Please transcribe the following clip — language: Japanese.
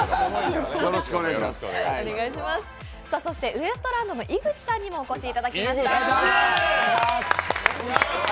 ウエストランドの井口さんにもお越しいただきました。